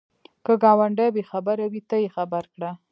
که ګاونډی بې خبره وي، ته یې خبر کړه